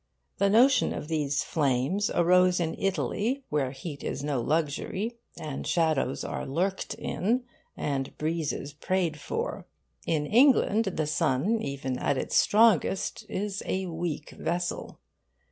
The notion of these flames arose in Italy, where heat is no luxury, and shadows are lurked in, and breezes prayed for. In England the sun, even at its strongest, is a weak vessel.